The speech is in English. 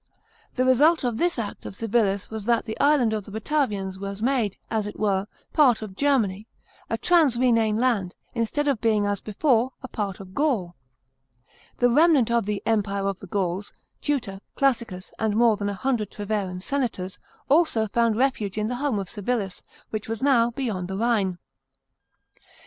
The result of this act of Civilis was that the Island of the Batavians was made, as it were, part of Germany — a trans Rhenane land ; instead of being, as before, a part of Gaul. The remnant of the " empire of the Gauls," — Tutor, Classicus, and more than a hundred Treveran senators — also found refuge in the home of Civilis, which was now " beyond the Rhine."